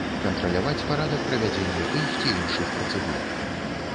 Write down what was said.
Кантраляваць парадак правядзення тых ці іншых працэдур.